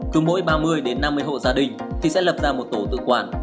cứ mỗi ba mươi đến năm mươi hộ gia đình thì sẽ lập ra một tổ tự quản